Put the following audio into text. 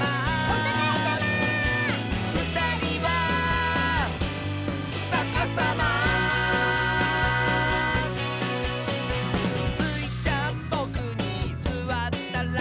「おたがいさま」「ふたりはさかさま」「スイちゃんボクにすわったら」